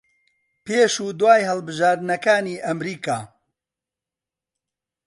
پێش و دوای هەڵبژاردنەکانی ئەمریکا